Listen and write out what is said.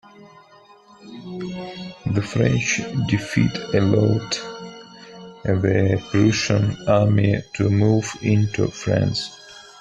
The French defeat allowed the Prussian army to move into France.